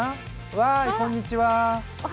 わーい、こんにちは。